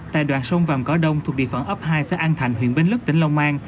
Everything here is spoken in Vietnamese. tại đoạn sông vàm cỏ đông thuộc địa phận ấp hai xã an thành huyện bến lức tỉnh long an